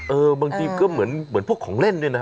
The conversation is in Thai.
บางทีก็เหมือนพวกของเล่นด้วยนะ